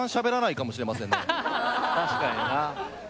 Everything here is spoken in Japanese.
確かにな。